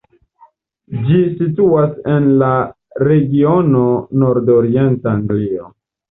Ĝi situas en la regiono nordorienta Anglio.